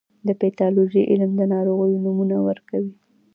د پیتالوژي علم د ناروغیو نومونه ورکوي.